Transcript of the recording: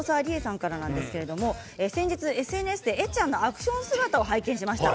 先日ＳＮＳでえっちゃんのアクション姿を拝見しました。